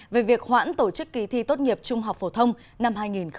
về việc hoãn tổ chức kỳ thi tốt nghiệp trung học phổ thông năm hai nghìn hai mươi